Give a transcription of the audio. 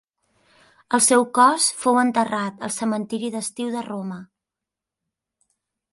El seu cos fou enterrat al cementiri d'Estiu de Roma.